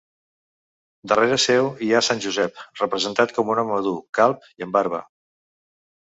Darrere seu hi ha Sant Josep, representat com un home madur, calb i amb barba.